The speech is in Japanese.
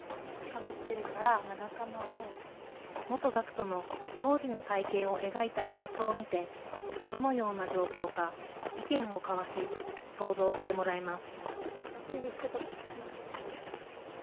元学徒の当時の体験を描いたイラストを見て、どのような状況か意見を交わし、想像してもらいます。